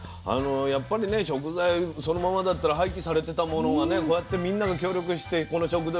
やっぱりね食材そのままだったら廃棄されてたものがねこうやってみんなが協力してこの食堂へ持って来てくれて。